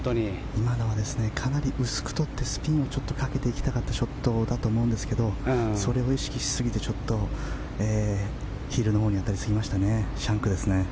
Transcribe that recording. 今のはかなり薄く取ってスピンをかけていきたかったショットだと思うんですけどそれを意識しすぎてヒールのほうに当たりすぎましたね。